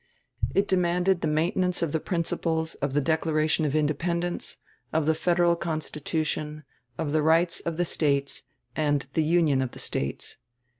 It demanded the maintenance of the principles of the Declaration of Independence, of the Federal Constitution, of the rights of the States, and the union of the States.